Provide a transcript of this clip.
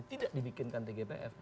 tidak dibikinkan tgpf